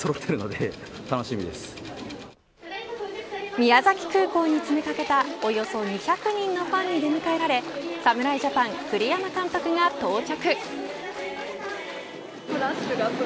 宮崎空港に詰めかけたおよそ２００人のファンに出迎えられ侍ジャパン栗山監督が到着。